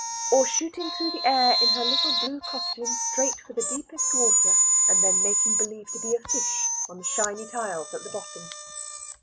Or shooting through the air in her little blue costume straight for the deepest water, and then making believe to be a fish on the shiny tiles at the bottom.